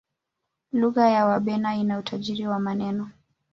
lugha ya wabena ina utajiri wa maneno